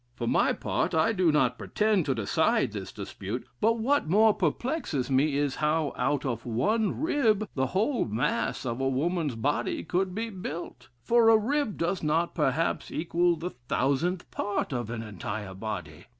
"For my part, I do not pretend to decide this dispute, but what more perplexes me is, how, out of one rib, the whole mass of a woman's body could be built? For a rib does not, perhaps, equal the thousandth part of an entire body.